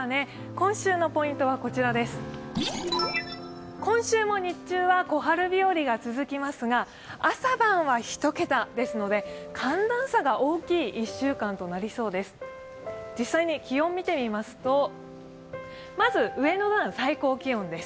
今週も日中は小春日和が続きますが、朝晩は１桁ですので、寒暖差が大きい１週間となりそうです。